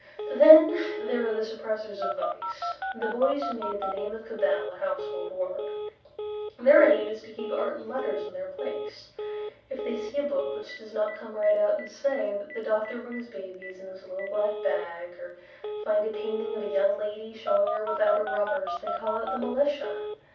Then there are the Suppressors of Vice; The Boys Who Made the Name of Cabell a Household Word. Their aim is to keep art and letters in their place; If they see a book Which does not come right out and say That the doctor brings babies in his little black bag, Or find a painting of a young lady Showing her without her rubbers, They call out the militia.